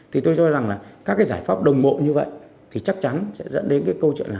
thì tôi cho rằng là các cái giải pháp đồng bộ như vậy thì chắc chắn sẽ dẫn đến cái câu chuyện là